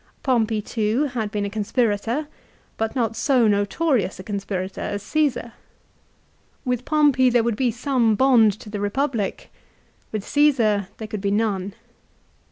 Pompey too had been a conspirator, but not so notorious a conspirator as Caesar. "With Pompey there 140 LIFE OF CICERO, would be some bond to the Eepublic ; with Csesar there could be none.